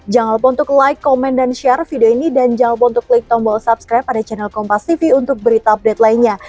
jangan lupa untuk like komen dan share video ini dan jalpon untuk klik tombol subscribe ada channel kompas tv untuk berita update lainnya